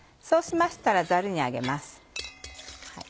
そうしましたらザルにあげます。